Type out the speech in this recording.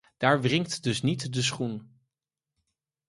Daar wringt dus niet de schoen.